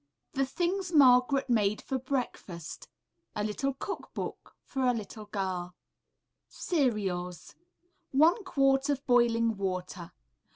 THE THINGS MARGARET MADE FOR BREAKFAST A LITTLE COOK BOOK FOR A LITTLE GIRL CEREALS 1 quart of boiling water.